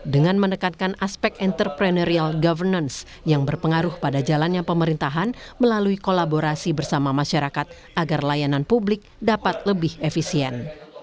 dengan mendekatkan aspek entreprenerial governance yang berpengaruh pada jalannya pemerintahan melalui kolaborasi bersama masyarakat agar layanan publik dapat lebih efisien